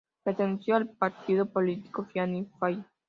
Perteneció al partido político Fianna Fáil.